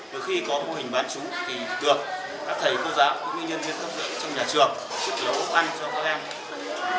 được khi có mô hình bán chú thì được các thầy cô giáo những nhân viên thấp dưỡng trong nhà trường